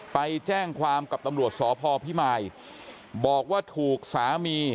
ไปแจ้งความกับตำรวจสพพิมายบอกว่าถูกสามี